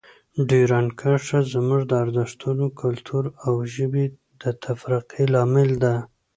ډیورنډ کرښه زموږ د ارزښتونو، کلتور او ژبې د تفرقې لامل ده.